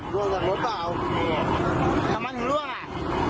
ร่วงจากรถเปล่าอาวันร่วง